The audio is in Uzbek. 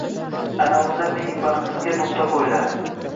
Ana unda mening baxtimga nuqta qo`yiladi